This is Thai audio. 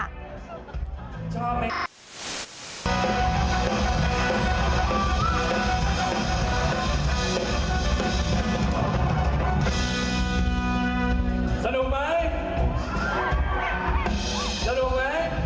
อยากเต้นอีกสับรอบมั้ย